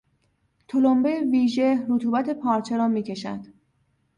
تلمبه ویژه رطوبت پارچه را میکشد.